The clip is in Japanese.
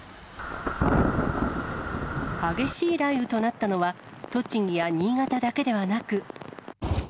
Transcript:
激しい雷雨となったのは、栃木や新潟だけではなく。